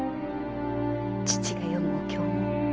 父が読むお経も。